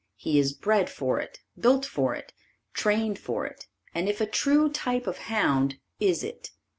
He is bred for it, built for it, trained for it and if a true type of hound, is it.